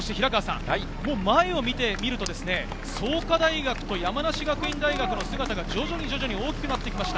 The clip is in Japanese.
もう前を見て創価大と山梨学院大学の姿が徐々に大きくなってきました。